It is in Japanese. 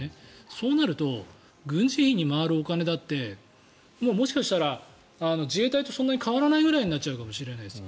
そうなると軍事費に回るお金だってもしかしたら自衛隊とそんなに変わらないくらいになっちゃうかもしれないです。